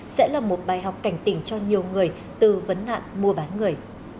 sẽ là một bài học cảnh tỉnh cho nhiều người từ vấn nạn mua bán người